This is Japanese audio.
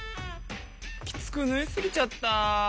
きつくぬいすぎちゃった。